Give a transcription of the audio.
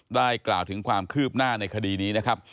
กล่าวถึงความคืบหน้าในคดีนี้นะครับ